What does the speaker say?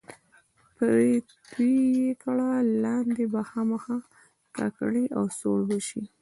پرې توی یې کړه، لاندې به خامخا کا کړي او سوړ به شي.